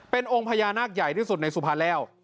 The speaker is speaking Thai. เป็นองค์พญานาคใหญ่ที่สุดในสุพรรณแล้ว